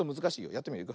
やってみるよ。